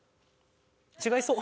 違いそう。